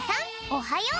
おはよう！